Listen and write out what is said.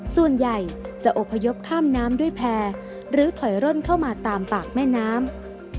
ส่วนใหญ่จะอบพยพข้ามน้ำด้วยแพร่หรือถอยร่นเข้ามาตามปากแม่น้ำ